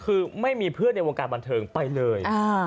คือไม่มีเพื่อนในวงการบันเทิงไปเลย